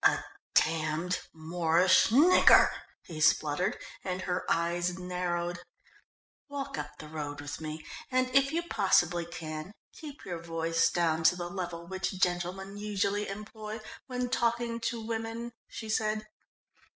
"A damned Moorish nigger," he spluttered, and her eyes narrowed. "Walk up the road with me, and if you possibly can, keep your voice down to the level which gentlemen usually employ when talking to women," she said.